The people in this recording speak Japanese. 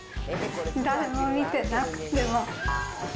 誰も見てなくても。